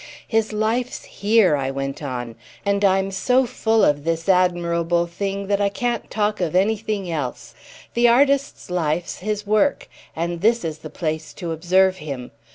"His life's here," I went on, "and I'm so full of this admirable thing that I can't talk of anything else. The artist's life's his work, and this is the place to observe him.